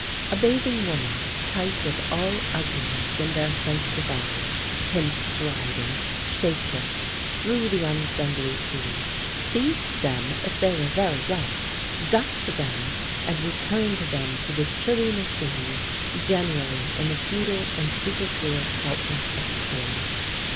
A bathing woman, type of all ugliness in their sensitive eyes, came striding, shapeless, through the unfriendly sea, seized them if they were very young, ducked them, and returned them to the chilly machine, generally in the futile and superfluous saltness of tears.